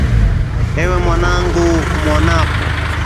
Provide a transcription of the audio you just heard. Ewe mwanangu umuonapo